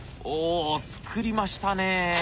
おお作りましたね。